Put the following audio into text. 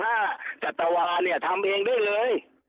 สำเร็จสามารถนี้ทำเองได้เลย